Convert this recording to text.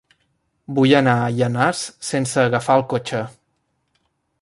Vull anar a Llanars sense agafar el cotxe.